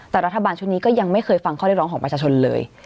แต่รัฐบาลชุดนี้ก็ยังไม่เคยฟังข้อเรียกร้องของประชาชนเลย